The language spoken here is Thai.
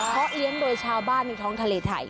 เพราะเลี้ยงโดยชาวบ้านในท้องทะเลไทย